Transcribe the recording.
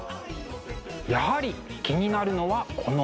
やはり気になるのはこの目。